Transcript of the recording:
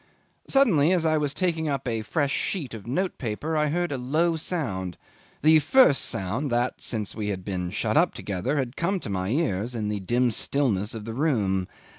Suddenly, as I was taking up a fresh sheet of notepaper, I heard a low sound, the first sound that, since we had been shut up together, had come to my ears in the dim stillness of the room.